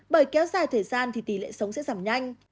bởi kéo dài thời gian thì tỷ lệ sống sẽ giảm nhanh